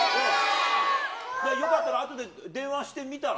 よかったら、あとで電話してみたら。